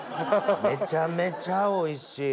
めちゃめちゃおいしい。